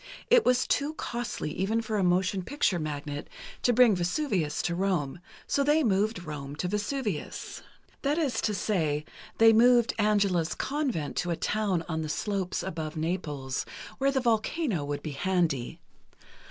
It was too costly, even for a motion picture magnate, to bring Vesuvius to Rome, so they moved Rome to Vesuvius—that is to say, they moved Angela's convent to a town on the slopes above Naples, where the volcano would be handy.